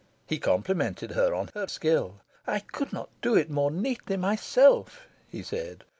He complimented her on her skill. "I could not do it more neatly myself!" he said.